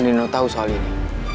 adino tau soal ini